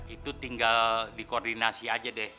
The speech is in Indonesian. itu tinggal dikoordinasi aja deh